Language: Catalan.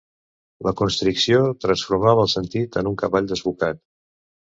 La constricció transformava el sentit en un cavall desbocat.